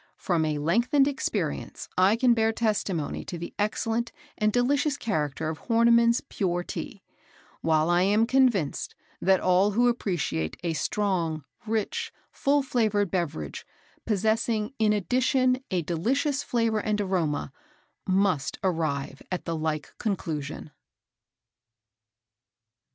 From a lengthened experience I can bear testimony to the excellent and delicious character of Horniman's pure Tea; while I am convinced that all who appreciate a strong, rich, full flavoured beverage, possessing in addition a delicious flavour and aroma, must arrive at the like conclusion."